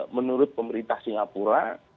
menurut pemerintah singapura